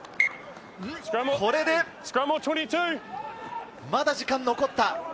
これでまだ時間が残った。